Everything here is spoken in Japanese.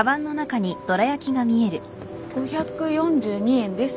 ５４２円です。